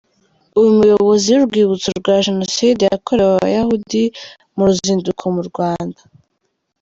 Umuyobozi w’Urwibutso rwa Jenoside yakorewe Abayahudi mu ruzinduko mu Rwanda